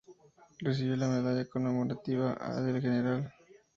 Recibió la Medalla conmemorativa del "Gral.